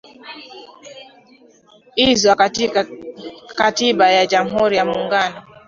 izwa katika katiba ya jamhuri ya muungano